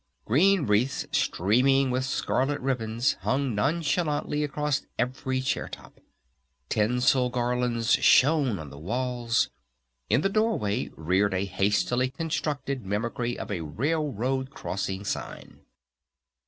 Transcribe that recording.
Green wreaths streaming with scarlet ribbons hung nonchalantly across every chair top. Tinsel garlands shone on the walls. In the doorway reared a hastily constructed mimicry of a railroad crossing sign.